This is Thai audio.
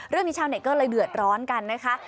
เรื่องนี้ชาวเน็ตก็เลยเดือดร้อนกันนะคะ